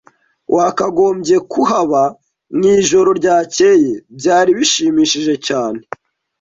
Wakagombye kuhaba mwijoro ryakeye. Byari bishimishije cyane.